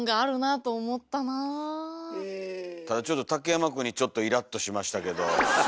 ただちょっと竹山くんにちょっとイラッとしましたけど。